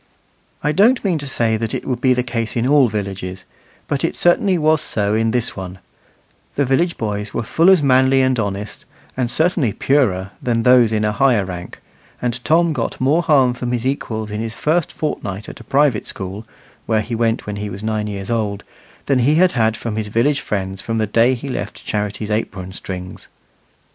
I don't mean to say it would be the case in all villages, but it certainly was so in this one: the village boys were full as manly and honest, and certainly purer, than those in a higher rank; and Tom got more harm from his equals in his first fortnight at a private school, where he went when he was nine years old, than he had from his village friends from the day he left Charity's apron strings.